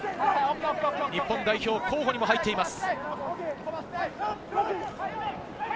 日本代表候補にも入っています。